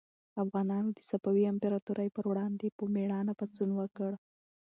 افغانانو د صفوي امپراطورۍ پر وړاندې په مېړانه پاڅون وکړ.